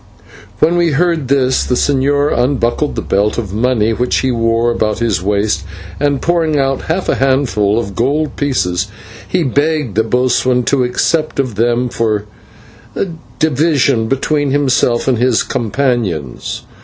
When we heard this the señor unbuckled the belt of money, which he wore about his waist, and, pouring out half a handful of gold pieces, he begged the boatswain to accept of them for division between himself and his companions.